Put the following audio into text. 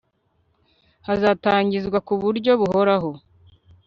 hazatangizwa ku buryo buhoraho